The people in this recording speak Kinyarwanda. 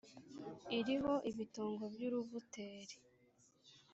Iriho ibitongo by'uruvuteri